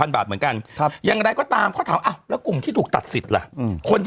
๑๐๐๐บาทเหมือนกันครับยังไงก็ตามเพราะว่าแล้วกลุ่มที่ถูกตัดสิทธิ์ล่ะคนที่